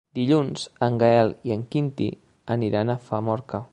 Dilluns en Gaël i en Quintí aniran a Famorca.